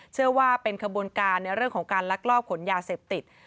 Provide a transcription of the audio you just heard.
เชื่อว่าเป็นขบวนการในเรื่องของการลักลอบขนยาเสพติด